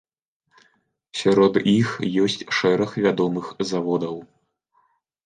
Сярод іх ёсць шэраг вядомых заводаў.